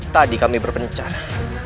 tadi kami berpencara